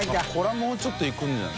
もうちょっといくんじゃない？